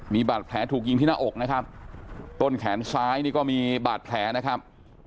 มีบาดแผลถูกยิงที่หน้าอกนะครับต้นแขนซ้ายนี่ก็มีบาดแผลนะครับ